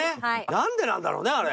なんでなんだろうねあれ。